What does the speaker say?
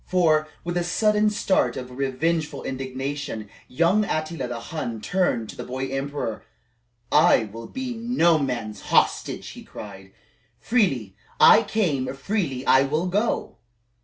For, with a sudden start of revengeful indignation, young Attila the Hun turned to the boy emperor: "I will be no man's hostage," he cried. "Freely I came, freely will I go!